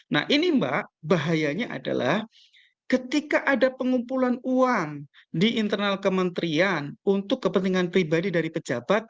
nah ini mbak bahayanya adalah ketika ada pengumpulan uang di internal kementerian untuk kepentingan pribadi dari pejabat